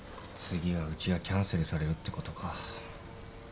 次はうちがキャンセルされるってことか。